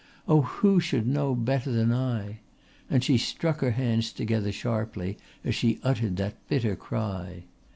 Oh, who should know better than I?" and she struck her hands together sharply as she uttered that bitter cry.